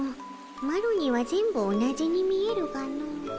マロには全部同じに見えるがの。